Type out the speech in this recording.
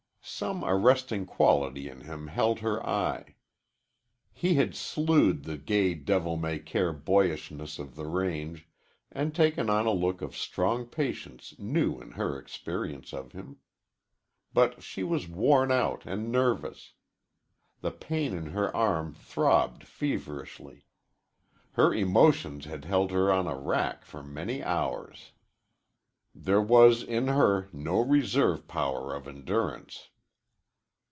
Some arresting quality in him held her eye. He had sloughed the gay devil may care boyishness of the range and taken on a look of strong patience new in her experience of him. But she was worn out and nervous. The pain in her arm throbbed feverishly. Her emotions had held her on a rack for many hours. There was in her no reserve power of endurance.